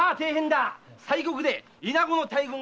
西国でイナゴの大群が発生だ‼